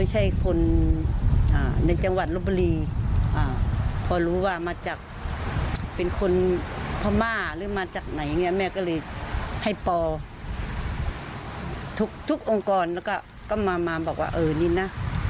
ให้ปอทุกทุกองค์กรแล้วก็ก็มามาบอกว่าเออนี่น่ะ